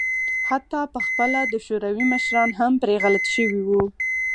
حتی په خپله د شوروي مشران هم پرې غلط شوي وو.